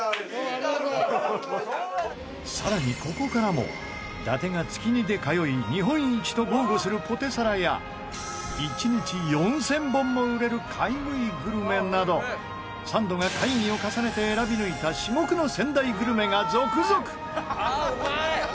更にここからも伊達が月２で通い日本一と豪語するポテサラや１日４０００本も売れる買い食いグルメなどサンドが会議を重ねて選び抜いた至極の仙台グルメが続々！